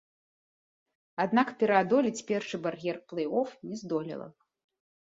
Аднак пераадолець першы бар'ер плэй-оф не здолела.